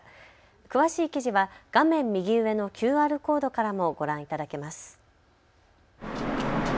詳しい記事は画面右上のＱＲコードからもご覧いただけます。